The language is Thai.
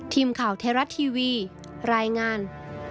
ทีมข่าวเทราะห์ทีวีรายงาน